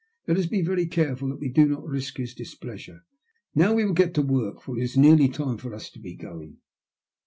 " Let us be very careful that we do not risk his displeasure. Now we will get to work, for it is nearly time for us to be going."